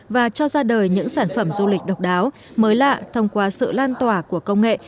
và cho ra đời những sản phẩm du lịch độc đáo mới lạ thông qua sự lan tỏa của công nghệ